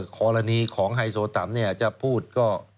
ควรณีของไฮโซตัมเนี่ยจะพูดก็